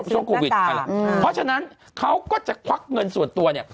ช่วงโควิดเพราะฉะนั้นเขาก็จะควักเงินส่วนตัว